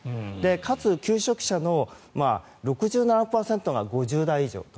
かつ、求職者の６７％が５０代以上と。